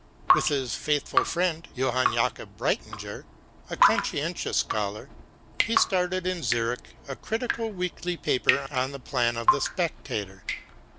With his faithful friend, Johann Jakob Breitinger, a conscientious scholar, he started in Zürich a critical weekly paper on the plan of the Spectator.